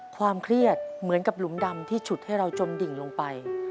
ความเครียดเหมือนกับหลุมดำที่ฉุดให้เราจนดิ่งลงไป